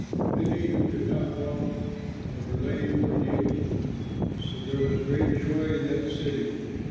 Many who could not walk or were lame were healed. So there was great joy in that city.